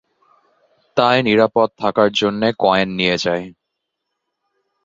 তাই নিরাপদ থাকার জন্যে কয়েন নিয়ে যাই।